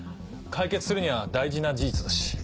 解決するには大事な事実だし。